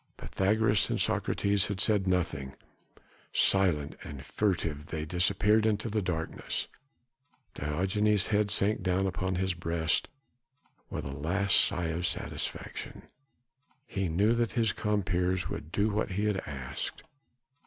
Pythagoras and Socrates had said nothing: silent and furtive they disappeared into the darkness. Diogenes' head sank down upon his breast with a last sigh of satisfaction. He knew that his compeers would do what he had asked.